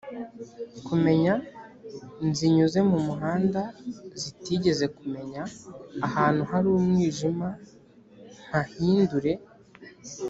kumenya nzinyuze mu muhanda zitigeze kumenya ahantu hari umwijima mpahindure